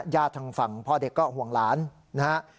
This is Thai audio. ทางฝั่งพ่อเด็กก็ห่วงหลานนะฮะ